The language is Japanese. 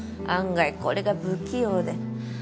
案外これが不器用で。